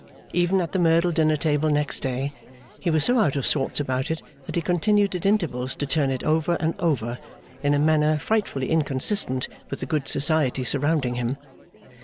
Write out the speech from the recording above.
Even at the Merdle dinner table next day, he was so out of sorts about it that he continued at intervals to turn it over and over, in a manner frightfully inconsistent with the good society surrounding him.